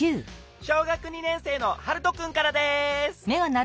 小学２年生のハルトくんからです。